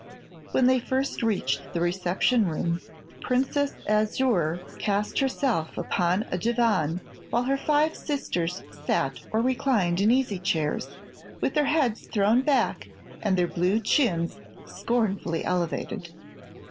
When they first reached the reception room Princess Azure cast herself upon a divan while her five sisters sat or reclined in easy chairs, with their heads thrown back and their blue chins scornfully elevated.